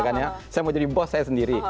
saya mau jadi bos saya sendiri